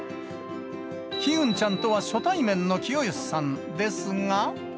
ヒユンちゃんとは初対面の清芳さんですが。